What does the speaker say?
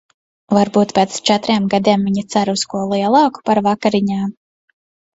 Varbūt pēc četriem gadiem viņa cer uz ko lielāku par vakariņām?